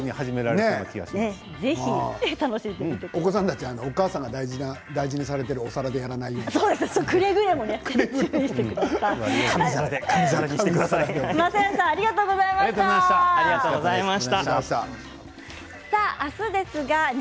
なお子さんたちお母さんが大事にしているお皿でやらないようにしてくださいね。